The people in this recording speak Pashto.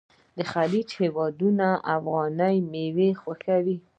د خلیج هیوادونه افغاني میوې خوښوي.